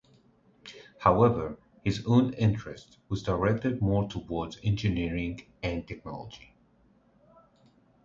However, his own interest was directed more towards engineering and technology.